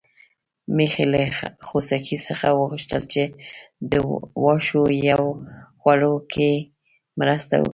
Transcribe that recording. میښې له خوسکي څخه وغوښتل چې د واښو په خوړلو کې مرسته وکړي.